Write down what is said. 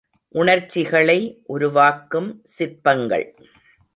உணர்ச்சிகளை உருவாக்கும் சிற்பங்கள்.